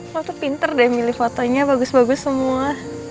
aku tuh pinter deh milih fotonya bagus bagus semua